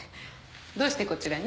どうしてこちらに？